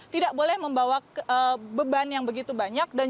tidak boleh membawa beban yang begitu banyak